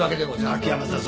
秋山さん